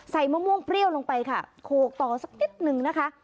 มะม่วงเปรี้ยวลงไปค่ะโขกต่อสักนิดนึงนะคะ